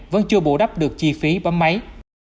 vẫn chưa bổ đắp được chi phí bấm máy